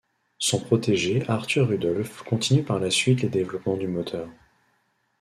Son protégé Arthur Rudolph continue par la suite les développements du moteur.